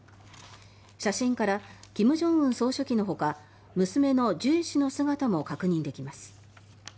写真から金正恩総書記のほか娘のジュエ氏の姿も確認できます。